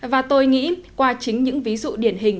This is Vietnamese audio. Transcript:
và tôi nghĩ qua chính những ví dụ điển hình